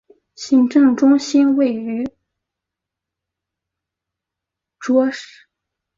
行政中心位于瑙沙罗费洛兹市。